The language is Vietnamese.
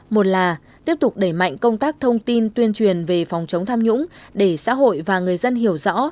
một là tiếp tục đẩy mạnh công tác thông tin tuyên truyền về phòng chống tham nhũng để xã hội và người dân hiểu rõ